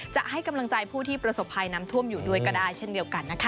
จะให้กำลังใจผู้ที่ประสบภัยน้ำท่วมอยู่ด้วยก็ได้เช่นเดียวกันนะคะ